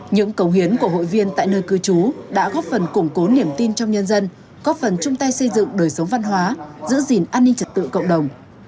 những cầu hiến của hội viên tại nơi cư trú đã góp phần củng cố niềm tin trong nhân dân góp phần chung tay xây dựng đời sống văn hóa giữ gìn an ninh trật tự cộng đồng